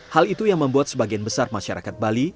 hal itu yang membuat sebagian besar masyarakat bali